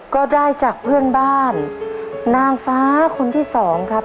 ก็ได้จากเพื่อนบ้านนางฟ้าคนที่สองครับ